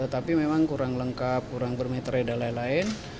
tapi memang kurang lengkap kurang bermetreda lain lain